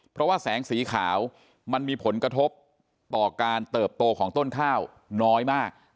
เพราะว่าแสงสีขาวมันมีผลกระทบต่อการเติบโตของต้นข้าวน้อยมาก